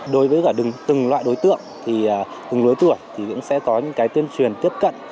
đối với cả từng loại đối tượng thì từng lứa tuổi thì cũng sẽ có những cái tuyên truyền tiếp cận